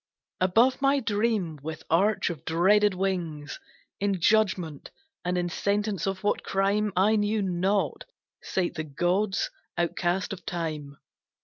Above my dream, with arch of dreaded wings, In judgement and in sentence of what crime I knew not, sate the gods outcast of time.